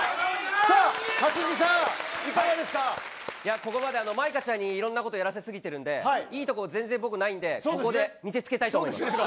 ここまで舞香ちゃんにいろんなことやらせすぎてるのでいいところ全然ないのでここで見せ付けたいと思います。